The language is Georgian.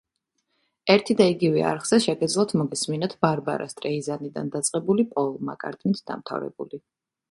ერთი და იგივე არხზე შეგეძლოთ მოგესმინათ ბარბარა სტრეიზანდიდან დაწყებული, პოლ მაკარტნით დამთავრებული.